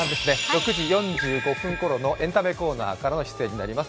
６時４５分ころのエンタメコーナーからの出演となります。